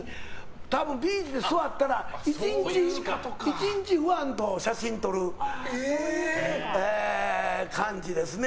多分、ビーチで座ったら１日ファンと写真撮る感じですね。